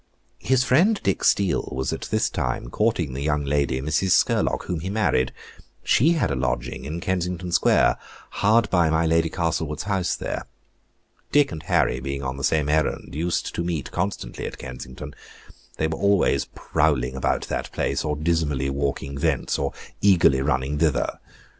His friend Dick Steele was at this time courting the young lady, Mrs. Scurlock, whom he married; she had a lodging in Kensington Square, hard by my Lady Castlewood's house there. Dick and Harry, being on the same errand, used to meet constantly at Kensington. They were always prowling about that place, or dismally walking thence, or eagerly running thither.